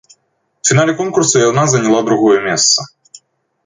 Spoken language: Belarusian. У фінале конкурсу яна заняла другое месца.